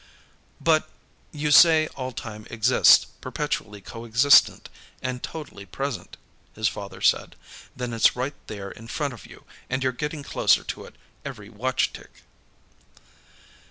"But You say all time exists, perpetually coexistent and totally present," his father said. "Then it's right there in front of you, and you're getting closer to it, every watch tick."